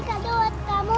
ini kadu buat kamu